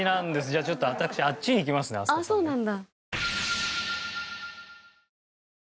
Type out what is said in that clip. じゃあちょっと私あっちに行きますね飛鳥さんね。